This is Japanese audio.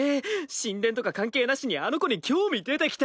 神殿とか関係なしにあの子に興味出てきた！